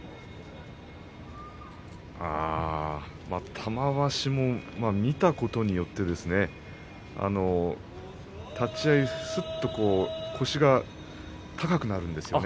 玉鷲も見たことによって立ち合い、すっと腰が高くなるんですよね。